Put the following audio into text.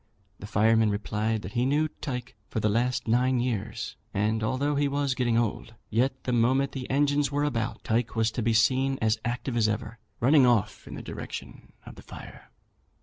The fireman replied that he knew Tyke for the last nine years; and although he was getting old, yet the moment the engines were about, Tyke was to be seen as active as ever, running off in the direction of the fire.